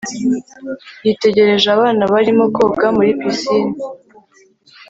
yitegereje abana barimo koga muri pisine